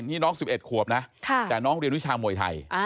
นี่น้อง๑๑ขวบนะแต่น้องเรียนวิชามวยไทย